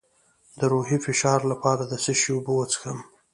د روحي فشار لپاره د څه شي اوبه وڅښم؟